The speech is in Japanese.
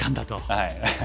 はい。